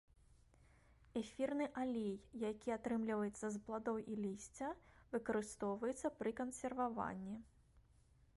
Эфірны алей, які атрымліваецца з пладоў і лісця, выкарыстоўваецца пры кансерваванні.